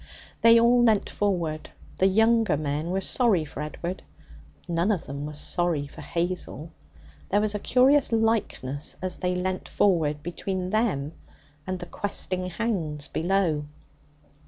They all leant forward. The younger men were sorry for Edward. None of them was sorry for Hazel. There was a curious likeness, as they leant forward, between them and the questing hounds below.